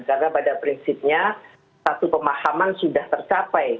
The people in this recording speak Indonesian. karena pada prinsipnya satu pemahaman sudah tercapai